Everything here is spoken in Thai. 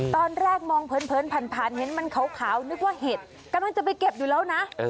ตอนแรกมองเผินผ่านเห็นมันขาวนึกว่าเห็ดกำลังจะไปเก็บอยู่แล้วนะ